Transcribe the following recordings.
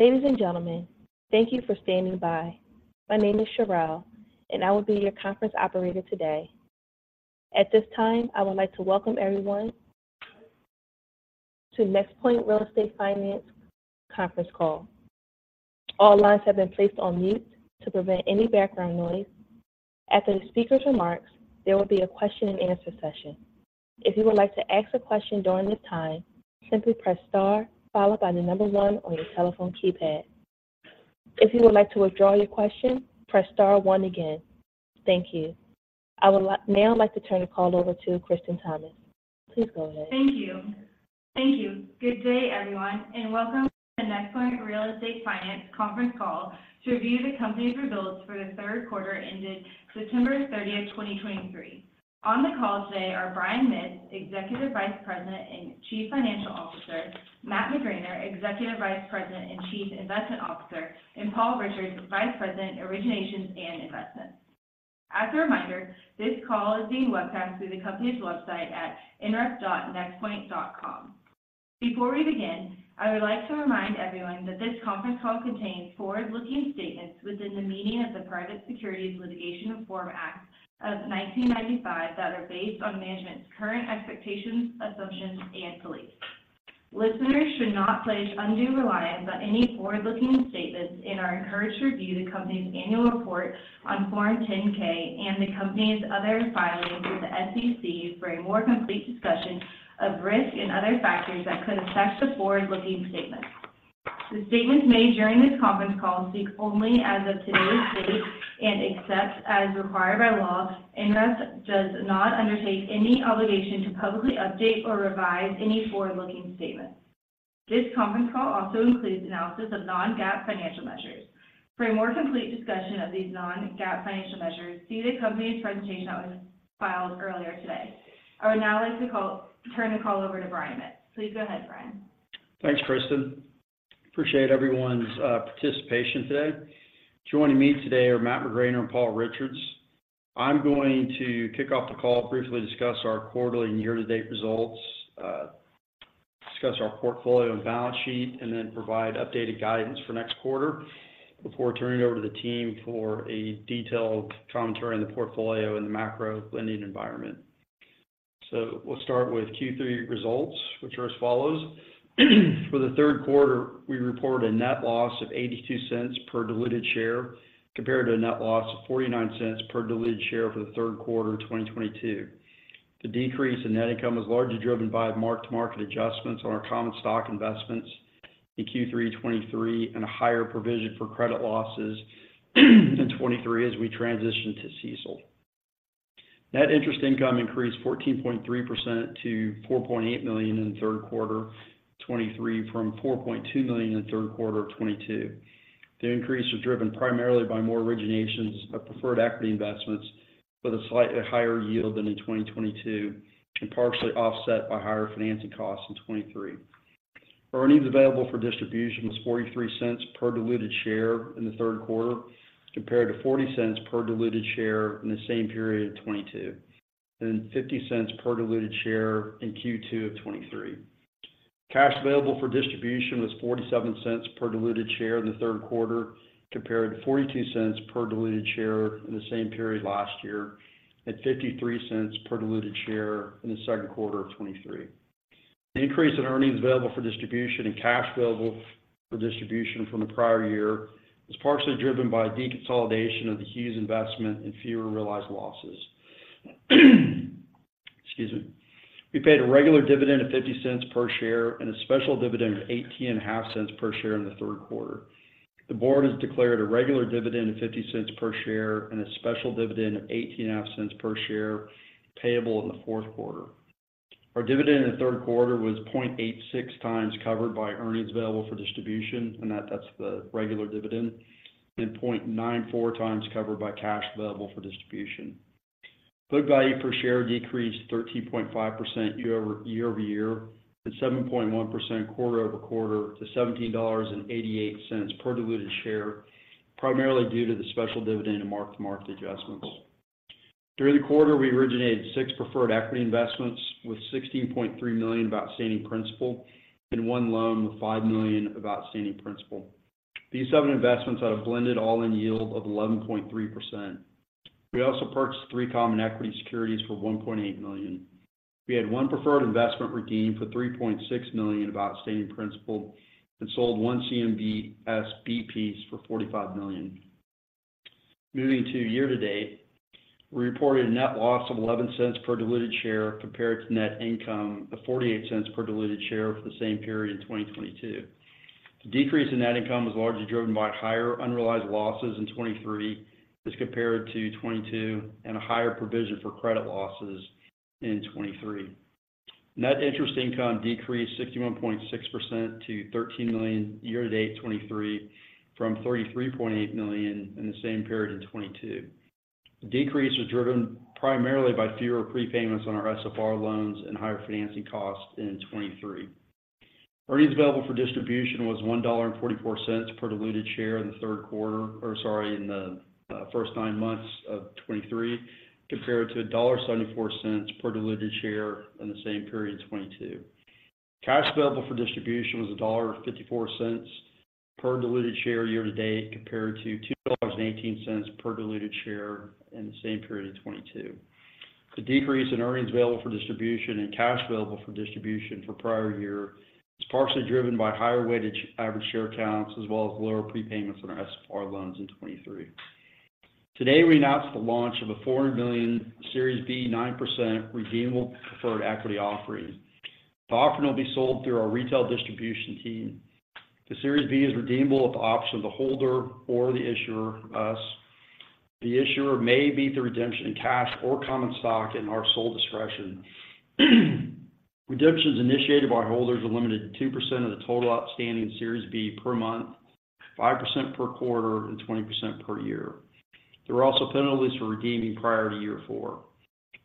Ladies and gentlemen, thank you for standing by. My name is Shirelle, and I will be your conference operator today. At this time, I would like to welcome everyone to NexPoint Real Estate Finance conference call. All lines have been placed on mute to prevent any background noise. After the speaker's remarks, there will be a question and answer session. If you would like to ask a question during this time, simply press star followed by the number one on your telephone keypad. If you would like to withdraw your question, press star one again. Thank you. I would now like to turn the call over to Kristen Thomas. Please go ahead. Thank you. Thank you. Good day, everyone, and welcome to the NexPoint Real Estate Finance conference call to review the company's results for the third quarter ended September 30, 2023. On the call today are Brian Mitts, Executive Vice President and Chief Financial Officer; Matt McGraner, Executive Vice President and Chief Investment Officer; and Paul Richards, Vice President, Originations and Investments. As a reminder, this call is being webcast through the company's website at nref.nexpoint.com. Before we begin, I would like to remind everyone that this conference call contains forward-looking statements within the meaning of the Private Securities Litigation Reform Act of 1995, that are based on management's current expectations, assumptions, and beliefs. Listeners should not place undue reliance on any forward-looking statements and are encouraged to review the company's annual report on Form 10-K and the company's other filings with the SEC for a more complete discussion of risk and other factors that could affect the forward-looking statements. The statements made during this conference call speak only as of today's date and except as required by law, NREF does not undertake any obligation to publicly update or revise any forward-looking statements. This conference call also includes analysis of non-GAAP financial measures. For a more complete discussion of these non-GAAP financial measures, see the company's presentation that was filed earlier today. I would now like to turn the call over to Brian Mitts. Please go ahead, Brian. Thanks, Kristen. Appreciate everyone's participation today. Joining me today are Matt McGraner and Paul Richards. I'm going to kick off the call, briefly discuss our quarterly and year-to-date results, discuss our portfolio and balance sheet, and then provide updated guidance for next quarter before turning it over to the team for a detailed commentary on the portfolio and the macro lending environment. We'll start with Q3 results, which are as follows. For the third quarter, we reported a net loss of $0.82 per diluted share, compared to a net loss of $0.49 per diluted share for the third quarter of 2022. The decrease in net income was largely driven by mark-to-market adjustments on our common stock investments in Q3 2023, and a higher provision for credit losses in 2023 as we transition to CECL. Net interest income increased 14.3% to $4.8 million in the third quarter of 2023, from $4.2 million in the third quarter of 2022. The increase was driven primarily by more originations of preferred equity investments with a slightly higher yield than in 2022, and partially offset by higher financing costs in 2023. Earnings available for distribution was $0.43 per diluted share in the third quarter, compared to $0.40 per diluted share in the same period of 2022, and $0.50 per diluted share in Q2 of 2023. Cash available for distribution was $0.47 per diluted share in the third quarter, compared to $0.42 per diluted share in the same period last year, at $0.53 per diluted share in the second quarter of 2023. The increase in earnings available for distribution and cash available for distribution from the prior year was partially driven by deconsolidation of the Hughes investment and fewer realized losses. Excuse me. We paid a regular dividend of $0.50 per share and a special dividend of $0.185 per share in the third quarter. The board has declared a regular dividend of $0.50 per share and a special dividend of $0.185 per share payable in the fourth quarter. Our dividend in the third quarter was 0.86x covered by earnings available for distribution, and that's the regular dividend, and 0.94x covered by cash available for distribution. Book value per share decreased 13.5% year-over-year and 7.1% quarter-over-quarter to $17.88 per diluted share, primarily due to the special dividend and mark-to-market adjustments. During the quarter, we originated six preferred equity investments with $16.3 million of outstanding principal and one loan with $5 million of outstanding principal. These seven investments had a blended all-in yield of 11.3%. We also purchased three common equity securities for $1.8 million. We had one preferred investment redeemed for $3.6 million of outstanding principal, and sold one CMBS B-piece for $45 million. Moving to year-to-date, we reported a net loss of $0.11 per diluted share, compared to net income of $0.48 per diluted share for the same period in 2022. The decrease in net income was largely driven by higher unrealized losses in 2023 as compared to 2022, and a higher provision for credit losses in 2023. Net interest income decreased 61.6% to $13 million year-to-date 2023, from $33.8 million in the same period in 2022. The decrease was driven primarily by fewer prepayments on our SFR loans and higher financing costs in 2023. Earnings available for distribution was $1.44 per diluted share in the third quarter or sorry, in the first nine months of 2023, compared to $1.74 per diluted share in the same period in 2022. Cash available for distribution was $1.54 per diluted share year-to-date, compared to $2.18 per diluted share in the same period of 2022. The decrease in earnings available for distribution and cash available for distribution for prior year is partially driven by higher weighted average share counts, as well as lower prepayments on our SFR loans in 2023. Today, we announced the launch of a $400 million Series B, 9% redeemable preferred equity offering. The offering will be sold through our retail distribution team. The Series B is redeemable at the option of the holder or the issuer, us. The issuer may meet the redemption in cash or common stock at our sole discretion. Redemptions initiated by holders are limited to 2% of the total outstanding Series B per month, 5% per quarter, and 20% per year. There are also penalties for redeeming prior to year four.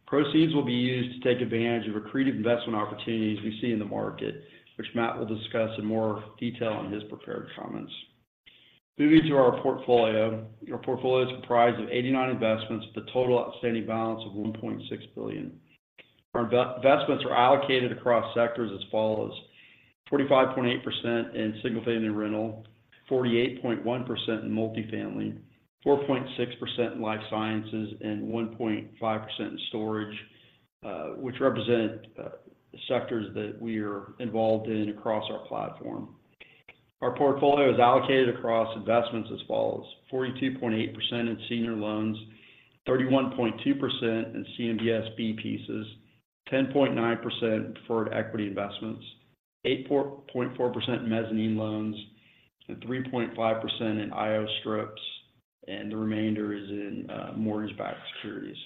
Proceeds will be used to take advantage of accretive investment opportunities we see in the market, which Matt will discuss in more detail in his prepared comments. Moving to our portfolio. Our portfolio is comprised of 89 investments with a total outstanding balance of $1.6 billion. Our investments are allocated across sectors as follows: 45.8% in single-family rental, 48.1% in multifamily, 4.6% in life sciences, and 1.5% in storage, which represent sectors that we are involved in across our platform. Our portfolio is allocated across investments as follows: 42.8% in senior loans, 31.2% in CMBS B-pieces, 10.9% in preferred equity investments, 8.4% in mezzanine loans, and 3.5% in IO strips, and the remainder is in mortgage-backed securities.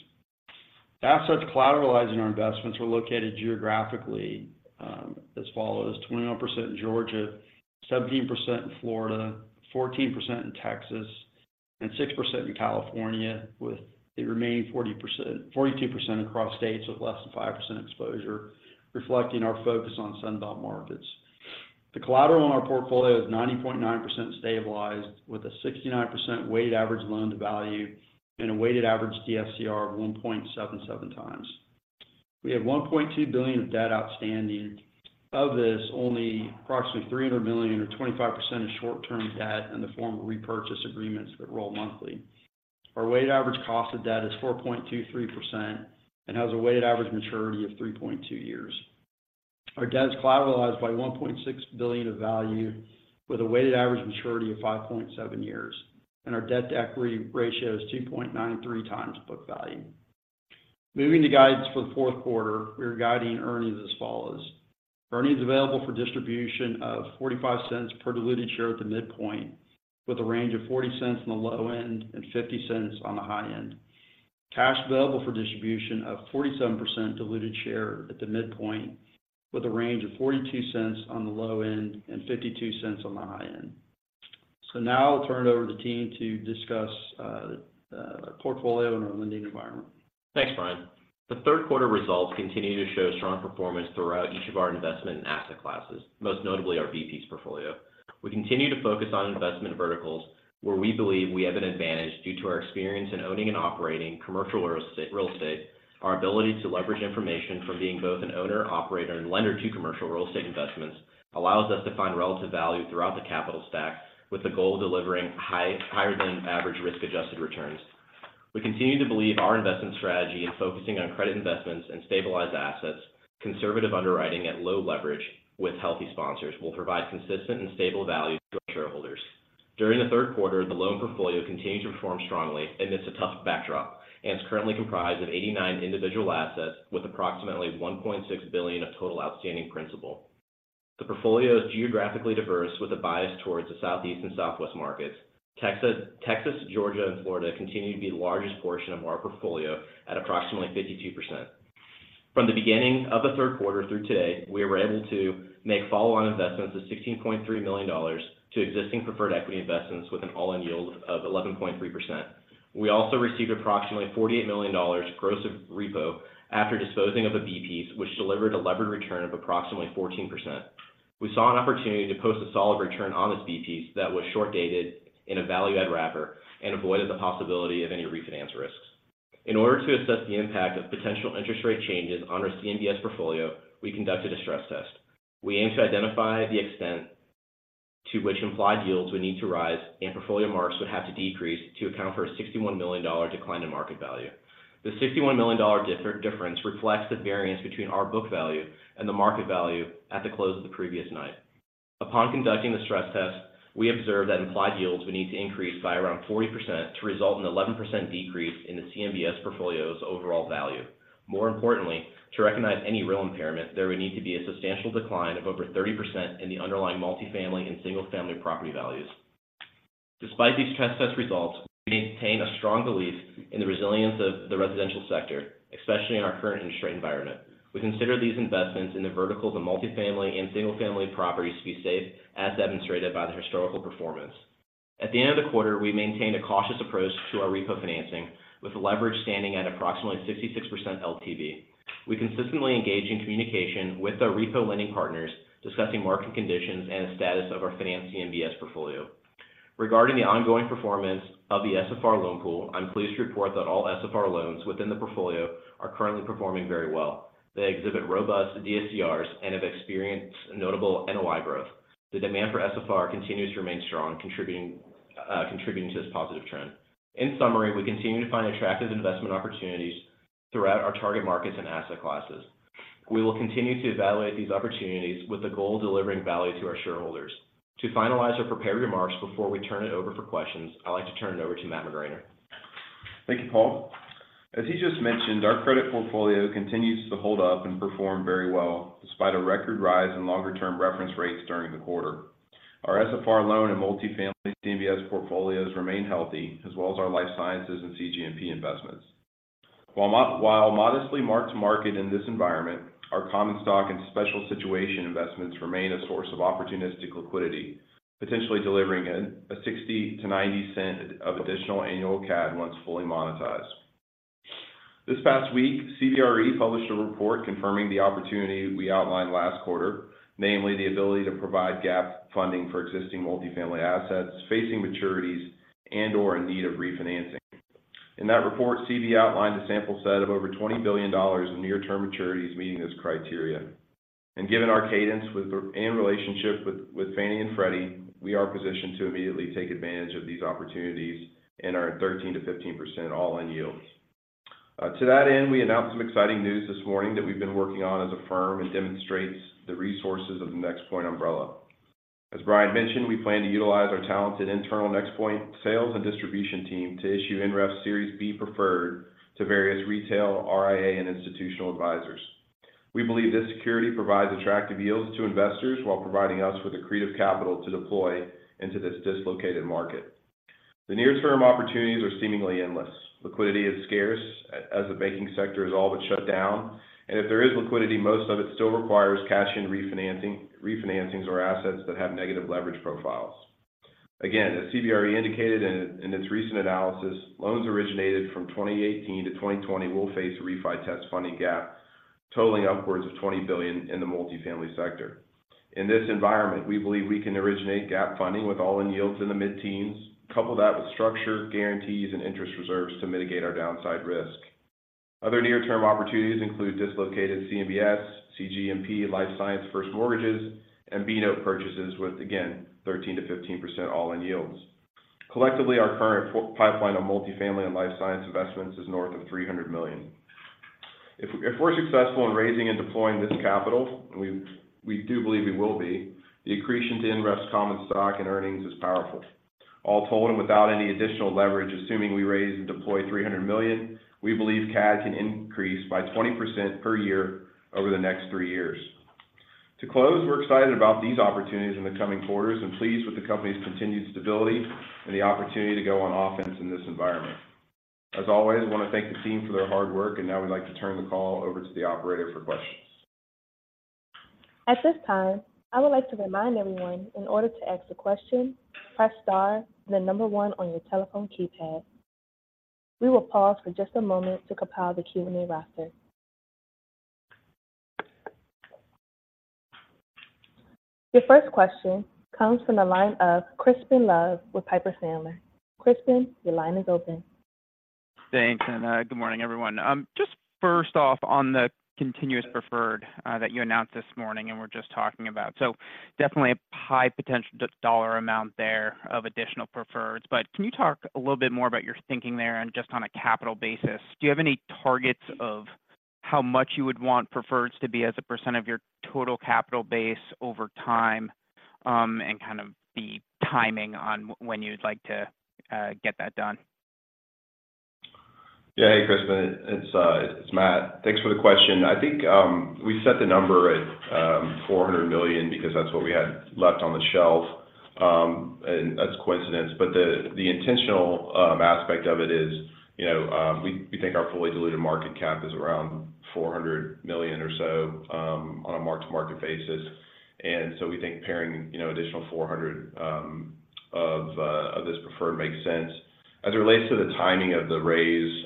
The assets collateralizing our investments were located geographically as follows: 21% in Georgia, 17% in Florida, 14% in Texas, and 6% in California, with the remaining 40%-42% across states with less than 5% exposure, reflecting our focus on Sun Belt markets. The collateral on our portfolio is 90.9% stabilized, with a 69% weighted average loan to value and a weighted average DSCR of 1.77 times. We have $1.2 billion of debt outstanding. Of this, only approximately $300 million or 25% is short-term debt in the form of repurchase agreements that roll monthly. Our weighted average cost of debt is 4.23% and has a weighted average maturity of 3.2 years. Our debt is collateralized by $1.6 billion of value with a weighted average maturity of 5.7 years, and our debt-to-equity ratio is 2.93x book value. Moving to guidance for the fourth quarter, we are guiding earnings as follows: earnings available for distribution of $0.45 per diluted share at the midpoint, with a range of $0.40-$0.50. Cash available for distribution of $0.47 per diluted share at the midpoint, with a range of $0.42-$0.52. Now I'll turn it over to the team to discuss the portfolio and our lending environment. Thanks, Brian. The third quarter results continue to show strong performance throughout each of our investment and asset classes, most notably our B-pieces portfolio. We continue to focus on investment verticals where we believe we have an advantage due to our experience in owning and operating commercial real estate. Our ability to leverage information from being both an owner, operator, and lender to commercial real estate investments allows us to find relative value throughout the capital stack, with the goal of delivering higher than average risk-adjusted returns. We continue to believe our investment strategy in focusing on credit investments and stabilized assets, conservative underwriting at low leverage with healthy sponsors, will provide consistent and stable value to our shareholders. During the third quarter, the loan portfolio continued to perform strongly, and it's a tough backdrop, and it's currently comprised of 89 individual assets with approximately $1.6 billion of total outstanding principal. The portfolio is geographically diverse, with a bias towards the Southeast and Southwest markets. Texas, Texas, Georgia, and Florida continue to be the largest portion of our portfolio at approximately 52%. From the beginning of the third quarter through today, we were able to make follow-on investments of $16.3 million to existing preferred equity investments with an all-in yield of 11.3%. We also received approximately $48 million gross of repo after disposing of a B-piece, which delivered a levered return of approximately 14%. We saw an opportunity to post a solid return on this B-piece that was short-dated in a value-add wrapper and avoided the possibility of any refinance risks. In order to assess the impact of potential interest rate changes on our CMBS portfolio, we conducted a stress test. We aim to identify the extent to which implied yields would need to rise and portfolio marks would have to decrease to account for a $61 million decline in market value. The $61 million difference reflects the variance between our book value and the market value at the close of the previous night. Upon conducting the stress test, we observed that implied yields would need to increase by around 40% to result in 11% decrease in the CMBS portfolio's overall value. More importantly, to recognize any real impairment, there would need to be a substantial decline of over 30% in the underlying multifamily and single-family property values. Despite these test results, we maintain a strong belief in the resilience of the residential sector, especially in our current interest rate environment. We consider these investments in the verticals of multifamily and single-family properties to be safe, as demonstrated by the historical performance. At the end of the quarter, we maintained a cautious approach to our repo financing, with leverage standing at approximately 66% LTV. We consistently engage in communication with our repo lending partners, discussing market conditions and the status of our financed CMBS portfolio. Regarding the ongoing performance of the SFR loan pool, I'm pleased to report that all SFR loans within the portfolio are currently performing very well. They exhibit robust DSCRs and have experienced notable NOI growth. The demand for SFR continues to remain strong, contributing, contributing to this positive trend. In summary, we continue to find attractive investment opportunities throughout our target markets and asset classes. We will continue to evaluate these opportunities with the goal of delivering value to our shareholders. To finalize our prepared remarks before we turn it over for questions, I'd like to turn it over to Matt McGraner. Thank you, Paul. As he just mentioned, our credit portfolio continues to hold up and perform very well, despite a record rise in longer-term reference rates during the quarter. Our SFR loan and multifamily CMBS portfolios remain healthy, as well as our life sciences and cGMP investments. While modestly marked to market in this environment, our common stock and special situation investments remain a source of opportunistic liquidity, potentially delivering 60-90 cents of additional annual CAD once fully monetized. This past week, CBRE published a report confirming the opportunity we outlined last quarter, namely, the ability to provide gap funding for existing multifamily assets facing maturities and/or in need of refinancing. In that report, CBRE outlined a sample set of over $20 billion in near-term maturities meeting this criteria. Given our cadence and relationship with Fannie and Freddie, we are positioned to immediately take advantage of these opportunities in our 13%-15% all-in yields. To that end, we announced some exciting news this morning that we've been working on as a firm and demonstrates the resources of the NexPoint umbrella. As Brian mentioned, we plan to utilize our talented internal NexPoint sales and distribution team to issue NREF Series B Preferred to various retail, RIA, and institutional advisors. We believe this security provides attractive yields to investors while providing us with accretive capital to deploy into this dislocated market. The near-term opportunities are seemingly endless. Liquidity is scarce, as the banking sector is all but shut down, and if there is liquidity, most of it still requires cash in refinancings or assets that have negative leverage profiles. Again, as CBRE indicated in, in its recent analysis, loans originated from 2018-2020 will face refi test funding gaps totaling upwards of $20 billion in the multifamily sector. In this environment, we believe we can originate gap funding with all-in yields in the mid-teens, couple that with structure, guarantees, and interest reserves to mitigate our downside risk. Other near-term opportunities include dislocated CMBS, cGMP, life science first mortgages, and B-note purchases with, again, 13%-15% all-in yields. Collectively, our current pipeline of multifamily and life science investments is north of $300 million. If, if we're successful in raising and deploying this capital, and we, we do believe we will be, the accretion to NREF's common stock and earnings is powerful. All told, and without any additional leverage, assuming we raise and deploy $300 million, we believe CAD can increase by 20% per year over the next three years. To close, we're excited about these opportunities in the coming quarters and pleased with the company's continued stability and the opportunity to go on offense in this environment. As always, I want to thank the team for their hard work, and now we'd like to turn the call over to the operator for questions. At this time, I would like to remind everyone, in order to ask a question, press star, then one on your telephone keypad. We will pause for just a moment to compile the Q&A roster. Your first question comes from the line of Crispin Love with Piper Sandler. Crispin, your line is open. Thanks, and good morning, everyone. Just first off, on the continuous preferred that you announced this morning and were just talking about. So definitely a high potential dollar amount there of additional preferreds, but can you talk a little bit more about your thinking there and just on a capital basis? Do you have any targets of how much you would want preferreds to be as a percentage of your total capital base over time, and kind of the timing on when you'd like to get that done? Yeah. Hey, Crispin, it's, it's Matt. Thanks for the question. I think, we set the number at $400 million because that's what we had left on the shelf. And that's coincidence. But the, the intentional aspect of it is, you know, we, we think our fully diluted market cap is around $400 million or so, on a mark-to-market basis. And so we think pairing, you know, additional $400 of this preferred makes sense. As it relates to the timing of the raise,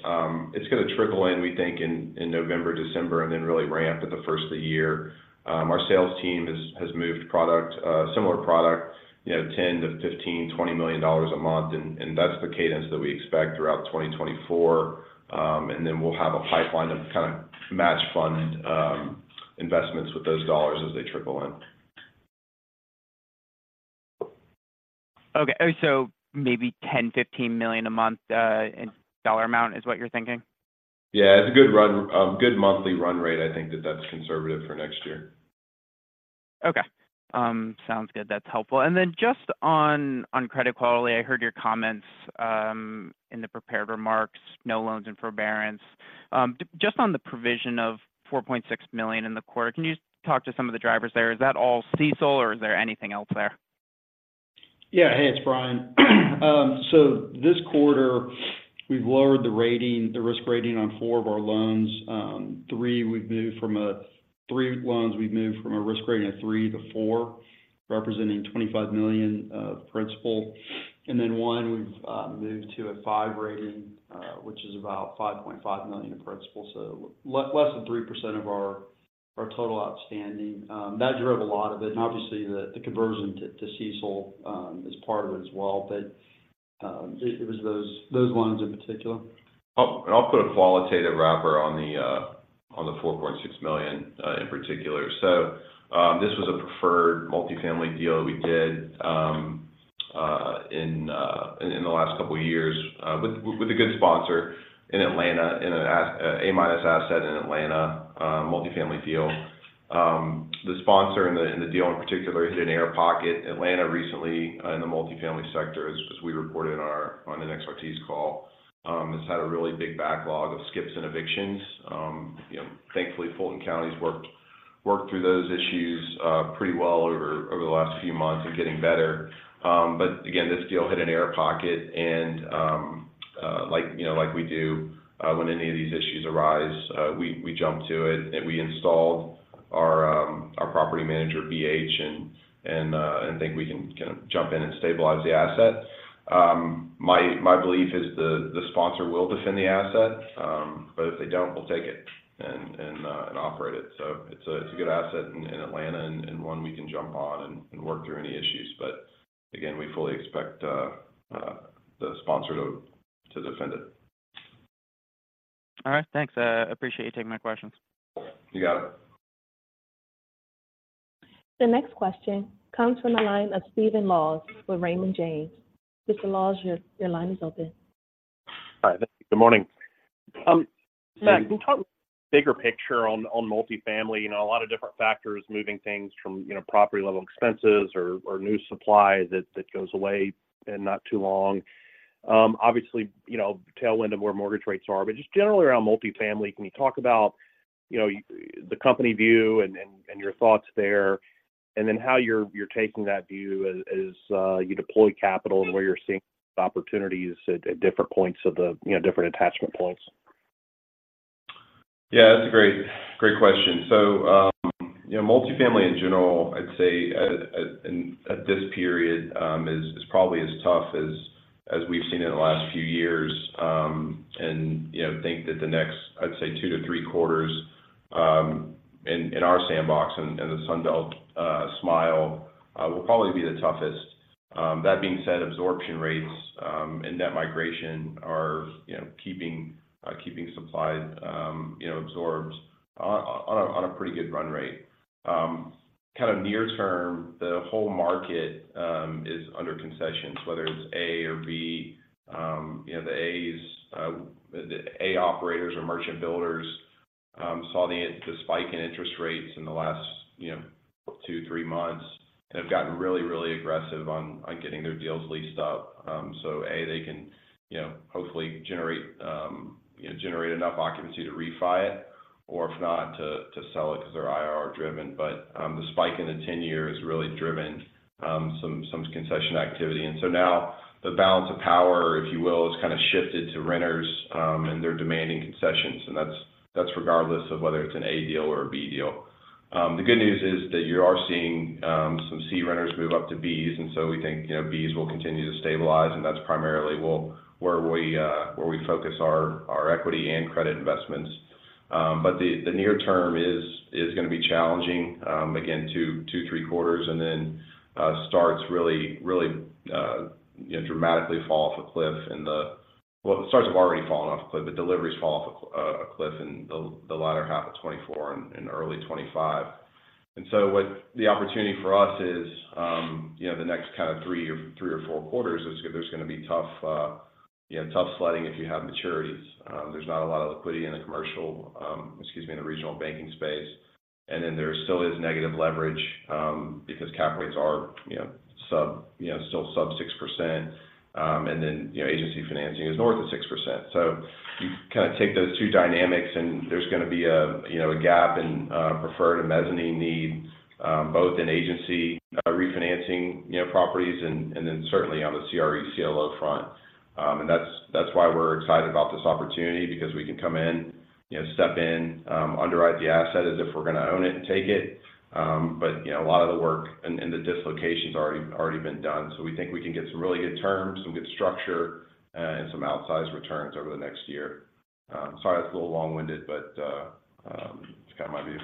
it's going to trickle in, we think, in, in November, December, and then really ramp at the first of the year. Our sales team has, has moved product, similar product, you know, $10-$15, $20 million a month, and, and that's the cadence that we expect throughout 2024. And then we'll have a pipeline of kind of match fund investments with those dollars as they trickle in. Okay. Oh, so maybe $10-$15 million a month in dollar amount is what you're thinking? Yeah, it's a good run, good monthly run rate. I think that that's conservative for next year. Okay. Sounds good. That's helpful. And then just on, on credit quality, I heard your comments in the prepared remarks, no loans and forbearance. Just on the provision of $4.6 million in the quarter, can you just talk to some of the drivers there? Is that all CECL or is there anything else there? Yeah. Hey, it's Brian. So this quarter, we've lowered the rating, the risk rating on four of our loans. Three loans, we've moved from a risk rating of 3-4, representing $25 million of principal. And then one, we've moved to a five rating, which is about $5.5 million in principal. So less than 3% of our total outstanding, that drove a lot of it. And obviously, the conversion to CECL is part of it as well. But, it was those ones in particular. I'll put a qualitative wrapper on the $4.6 million in particular. So, this was a preferred multifamily deal that we did in the last couple of years with a good sponsor in Atlanta, in an A-minus asset in Atlanta, multifamily deal. The sponsor in the deal in particular hit an air pocket. Atlanta recently in the multifamily sector, as we reported on our NXRT's call, has had a really big backlog of skips and evictions. You know, thankfully, Fulton County's worked through those issues pretty well over the last few months and getting better. But again, this deal hit an air pocket and, like, you know, like we do, when any of these issues arise, we jump to it, and we installed our property manager, BH, and think we can kind of jump in and stabilize the asset. My belief is the sponsor will defend the asset, but if they don't, we'll take it and operate it. So it's a good asset in Atlanta, and one we can jump on and work through any issues. But again, we fully expect the sponsor to defend it. All right, thanks. Appreciate you taking my questions. You got it. The next question comes from the line of Stephen Laws with Raymond James. Mr. Laws, your line is open. Hi, thank you. Good morning. Matt, can you talk bigger picture on multifamily? You know, a lot of different factors moving things from, you know, property-level expenses or new supply that goes away in not too long. Obviously, you know, tailwind of where mortgage rates are, but just generally around multifamily, can you talk about the company view and your thoughts there? And then how you're taking that view as you deploy capital and where you're seeing opportunities at different points of the different attachment points. Yeah, that's a great, great question. So, you know, multifamily in general, I'd say, at this period, is probably as tough as we've seen in the last few years. And, you know, think that the next, I'd say, 2-3 quarters, in our sandbox and the Sun Belt, as well, will probably be the toughest. That being said, absorption rates and net migration are, you know, keeping supply, you know, absorbed on a pretty good run rate. Kind of near term, the whole market is under concessions, whether it's A or B. You know, the A's, the A operators or merchant builders saw the spike in interest rates in the last, you know, 2-3 months and have gotten really, really aggressive on getting their deals leased up. So, they can, you know, hopefully generate, you know, generate enough occupancy to refi it, or if not, to sell it because they're IRR driven. But, the spike in the 10-year has really driven some concession activity. And so now the balance of power, if you will, has kind of shifted to renters, and they're demanding concessions, and that's regardless of whether it's an A deal or a B deal. The good news is that you are seeing some C renters move up to Bs, and so we think, you know, Bs will continue to stabilize, and that's primarily where we focus our equity and credit investments. But the near term is gonna be challenging. Again, two, three quarters, and then starts really you know dramatically fall off a cliff in the. Well, the starts have already fallen off a cliff, but deliveries fall off a cliff in the latter half of 2024 and in early 2025. And so what the opportunity for us is, you know, the next kind of three or four quarters is there's gonna be tough, you know, tough sledding if you have maturities. There's not a lot of liquidity in the commercial, excuse me, in the regional banking space. And then there still is negative leverage, because cap rates are, you know, sub, you know, still sub 6%, and then, you know, agency financing is north of 6%. So you kind of take those two dynamics, and there's gonna be a, you know, a gap in preferred and mezzanine need, both in agency refinancing, you know, properties and, and then certainly on the CRE/CLO front. And that's, that's why we're excited about this opportunity, because we can come in, you know, step in, underwrite the asset as if we're gonna own it and take it. But, you know, a lot of the work and the dislocation's already been done, so we think we can get some really good terms, some good structure, and some outsized returns over the next year. Sorry, that's a little long-winded, but just kind of my view.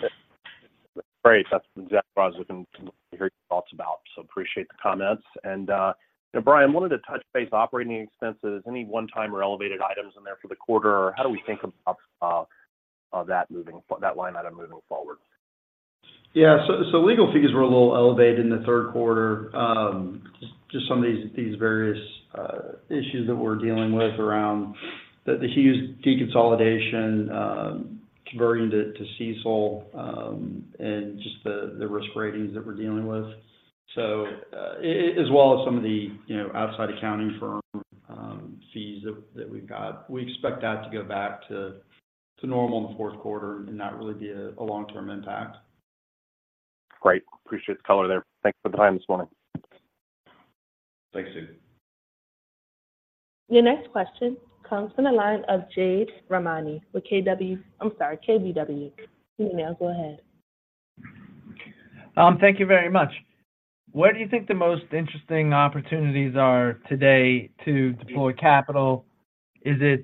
Great. That's exactly what I was looking to hear your thoughts about, so appreciate the comments. And, you know, Brian, wanted to touch base operating expenses. Any one-time or elevated items in there for the quarter, or how do we think about that line item moving forward? Yeah. So legal fees were a little elevated in the third quarter. Just some of these various issues that we're dealing with around the Hughes deconsolidation, converting to CECL, and just the risk ratings that we're dealing with. So, as well as some of the, you know, outside accounting firm fees that we've got. We expect that to go back to normal in the fourth quarter and not really be a long-term impact. Great. Appreciate the color there. Thanks for the time this morning. Thanks, Steve. Your next question comes from the line of Jade Rahmani with KBW. I'm sorry, KBW. You may now go ahead. Thank you very much. Where do you think the most interesting opportunities are today to deploy capital? Is it,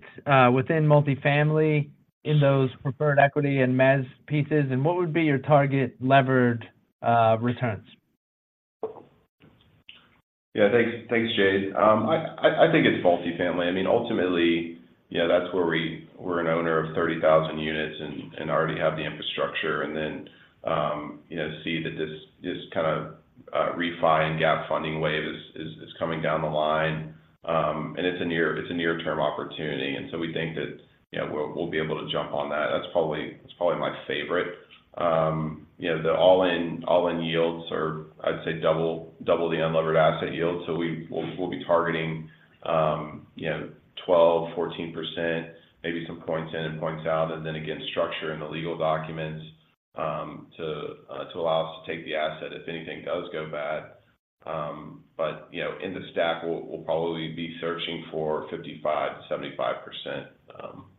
within multifamily, in those preferred equity and mezz pieces? And what would be your target levered returns? Yeah. Thanks, thanks, Jade. I think it's multifamily. I mean, ultimately, yeah, that's where we're an owner of 30,000 units and already have the infrastructure, and then, you know, see that this kind of refi and gap funding wave is coming down the line. And it's a near-term opportunity, and so we think that, you know, we'll be able to jump on that. That's probably my favorite. You know, the all-in yields are, I'd say, double the unlevered asset yield. So we'll be targeting, you know, 12%-14%, maybe some points in and points out, and then again, structure in the legal documents to allow us to take the asset if anything does go bad. You know, in the stack, we'll probably be searching for 55%-75%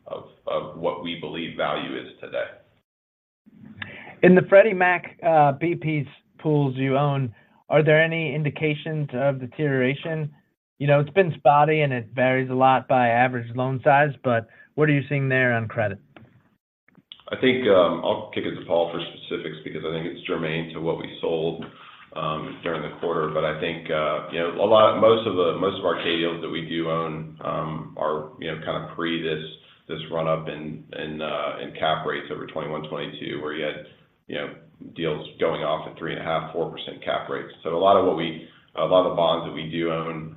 of what we believe value is today. In the Freddie Mac B-piece pools you own, are there any indications of deterioration? You know, it's been spotty, and it varies a lot by average loan size, but what are you seeing there on credit? I think, I'll kick it to Paul for specifics because I think it's germane to what we sold, during the quarter. But I think, you know, a lot, most of the, most of our K-Deals that we do own, are, you know, kind of pre this, this run-up in, in, in cap rates over 2021, 2022, where you had, you know, deals going off at 3.5%-4% cap rates. So a lot of what we. A lot of bonds that we do own,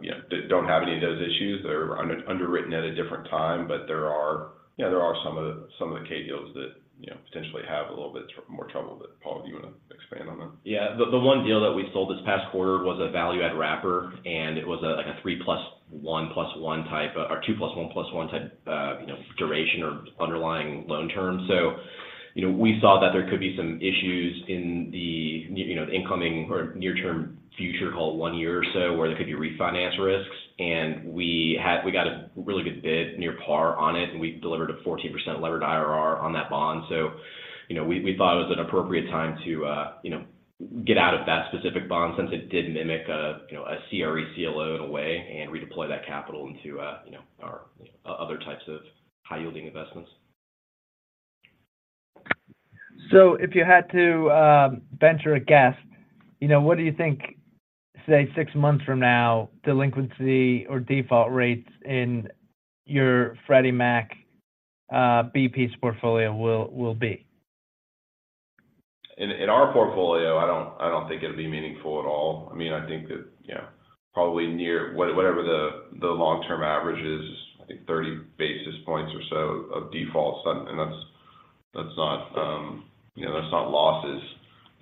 you know, don't have any of those issues. They're underwritten at a different time, but there are, you know, there are some of the, some of the K-Deals that, you know, potentially have a little bit more trouble. But Paul, do you want to expand on that? Yeah. The one deal that we sold this past quarter was a value add wrapper, and it was a, like, a 3 + 1 + 1 type or 2 + 1 + 1 type, you know, duration or underlying loan term. So, you know, we saw that there could be some issues in the, you know, the incoming or near-term future, call it one year or so, where there could be refinance risks, and we got a really good bid near par on it, and we delivered a 14% levered IRR on that bond. So, you know, we, we thought it was an appropriate time to, you know, get out of that specific bond since it did mimic a, you know, a CRE CLO in a way and redeploy that capital into, you know, our, other types of high-yielding investments. So if you had to venture a guess, you know, what do you think, say, six months from now, delinquency or default rates in your Freddie Mac BP's portfolio will be? In our portfolio, I don't think it'll be meaningful at all. I mean, I think that, you know, probably near whatever the long-term average is, I think 30 basis points or so of defaults, and that's not, you know, that's not losses.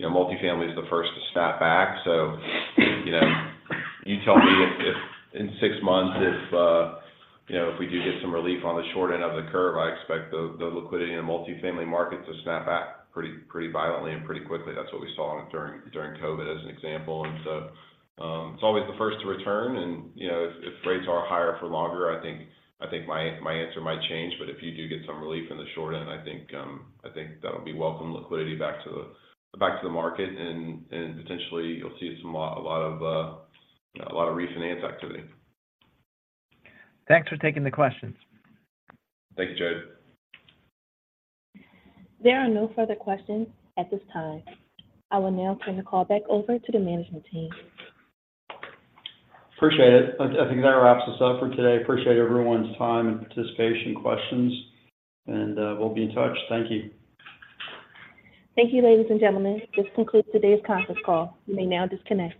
You know, multifamily is the first to snap back. So, you know, you tell me if in six months, if you know, if we do get some relief on the short end of the curve, I expect the liquidity in the multifamily market to snap back pretty violently and pretty quickly. That's what we saw during COVID as an example, and so, it's always the first to return. And, you know, if rates are higher for longer, I think my answer might change, but if you do get some relief in the short end, I think that'll be welcome liquidity back to the market, and potentially you'll see a lot of refinance activity. Thanks for taking the questions. Thank you, Jade. There are no further questions at this time. I will now turn the call back over to the management team. Appreciate it. I think that wraps us up for today. Appreciate everyone's time and participation, questions, and we'll be in touch. Thank you. Thank you, ladies and gentlemen. This concludes today's conference call. You may now disconnect.